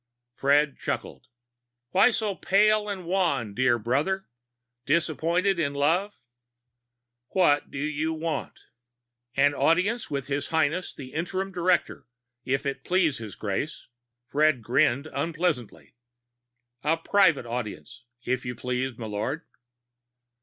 Fred chuckled. "Why so pale and wan, dear brother? Disappointed in love?" "What do you want?" "An audience with His Highness the Interim Director, if it please His Grace." Fred grinned unpleasantly. "A private, audience, if you please, m'lord."